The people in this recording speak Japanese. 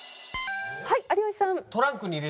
はい有吉さん。